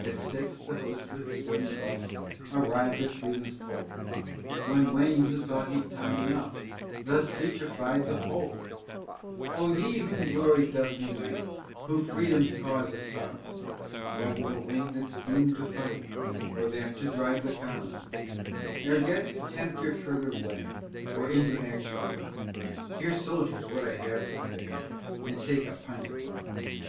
At six, the host with sweating buff, Arrived at Freedom's pole; When Wayne, who thought he'd time enough, Thus speechified the whole: "O ye, whom glory doth unite, Who Freedom's cause espouse; Whether the wing that's doom'd to fight, Or that to drive the cows, "Ere yet you tempt your further way, Or into action come, Hear, soldiers, what I have to say, And take a pint of rum.